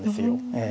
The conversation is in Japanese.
ええ。